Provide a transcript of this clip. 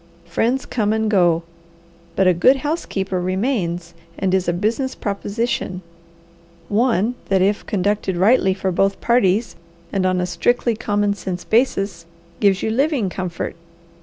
Friends come and go, but a good housekeeper remains and is a business proposition one that if conducted rightly for both parties and on a strictly common sense basis, gives you living comfort.